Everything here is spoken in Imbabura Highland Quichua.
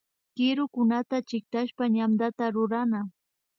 Kirukunata chiktashpa yantata rurana